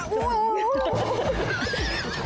สวัสดีครับ